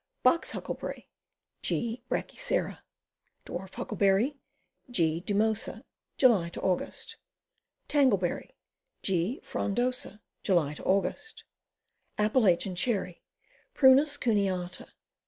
Box Huckleberry. G. brachycera. ' Dwarf Huckleberry. G. duviosa. July Aug. Tangleberry. G. frondosa. Jidy Aug. Appalachian Cherry. Prunus cuneata.